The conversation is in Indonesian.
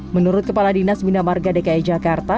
menurut kepala dinas bina marga dki jakarta